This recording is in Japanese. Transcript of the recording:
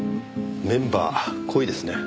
メンバー濃いですね。